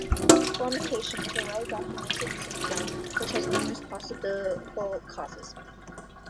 Formication is a well documented symptom, which has numerous possible causes.